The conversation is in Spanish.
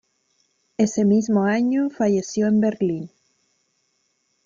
Ese mismo año falleció en Berlín.